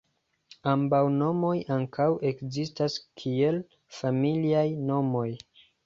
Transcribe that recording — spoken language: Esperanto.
Ambaŭ nomoj ankaŭ ekzistas kiel familiaj nomoj.